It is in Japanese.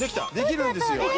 できるんですよ。